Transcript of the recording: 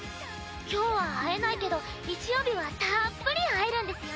今日は会えないけど日曜日はたっぷり会えるんですよね？